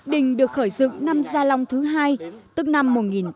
đình được khởi dựng năm gia long thứ hai tức năm một nghìn tám trăm linh ba